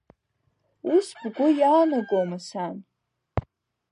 Ус бгәы иаанагома сан?